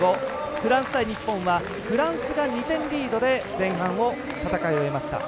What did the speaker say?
フランス対日本はフランスが２点リードで前半を戦い終えました。